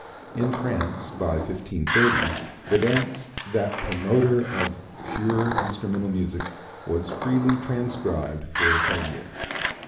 In France, by 1530, the dance, that promoter of pure instrumental music, was freely transcribed for the clavier.